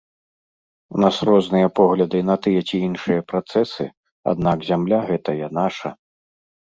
У нас розныя погляды на тыя ці іншыя працэсы, аднак зямля гэтая наша.